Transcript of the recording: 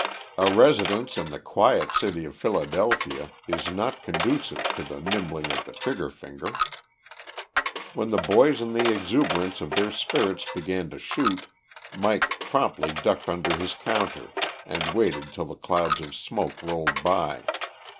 A residence in the quiet city of Philadelphia is not conducive to the nimbling of the trigger finger. When the boys in the exuberance of their spirits began to shoot, Mike promptly ducked under his counter and waited till the clouds of smoke rolled by.